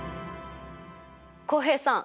浩平さん